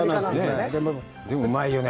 でも、うまいよねぇ。